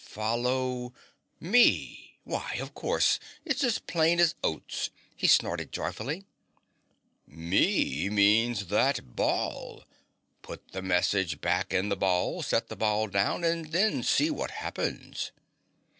Follow ME! Why of course, it's as plain as oats!" he snorted joyfully. "'Me' means that ball. Put the message back in the ball, set the ball down and then see what happens."